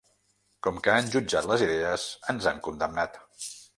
Com que han jutjat les idees, ens han condemnat.